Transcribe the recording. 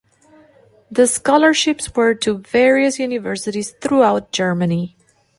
The scholarships were to various universities throughout Germany.